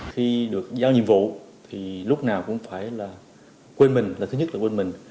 khi được giao nhiệm vụ thì lúc nào cũng phải là quên mình là thứ nhất là quên mình